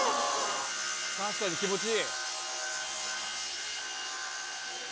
確かに気持ちいい。